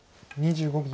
２５秒。